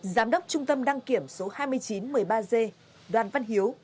giám đốc trung tâm đăng kiểm số hai nghìn chín trăm một mươi ba g đoàn văn hiếu